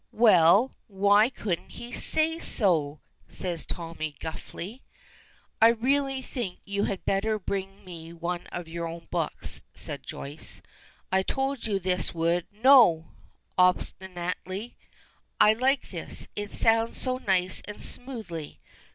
"Well, why couldn't he say so?" says Tommy, gruffly. "I really think you had better bring me one of your own books," says Joyce. "I told you this would " "No," obstinately, "I like this. It sounds so nice and smoothly.